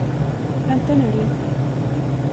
Vänta nu lite!